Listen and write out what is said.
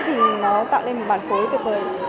thì nó tạo lên một bản phối tuyệt vời